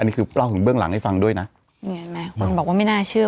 นี่คือเล่าถึงเบื้องหลังให้ฟังด้วยนะเนี่ยเห็นไหมคนบอกว่าไม่น่าเชื่อ